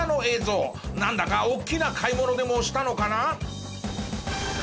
なんだか大きな買い物でもしたのかな？